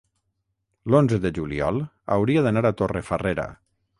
l'onze de juliol hauria d'anar a Torrefarrera.